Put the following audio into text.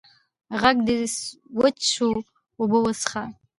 ږغ دي وچ سو، اوبه وڅيښه!